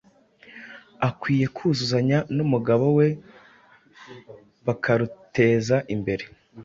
akwiye kuzuzanya n’umugabo we bakaruteza imbere.